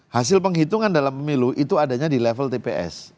hasil penghitungan dalam pemilu itu adanya di level tps